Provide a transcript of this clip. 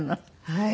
はい。